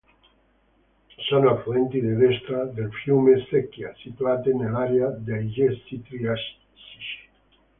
Sono affluenti di destra del fiume Secchia, situate nell'area dei Gessi Triassici.